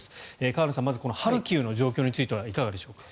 河野さん、まずこのハルキウの状況についてはいかがでしょうか。